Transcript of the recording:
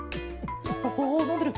おおのんでる。